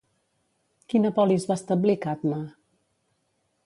Quina polis va establir Cadme?